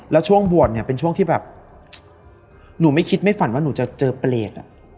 แล้วช่วงบวชเนี่ยเป็นช่วงที่แบบหนูไม่คิดไม่ฝันว่าหนูจะเจอเปรต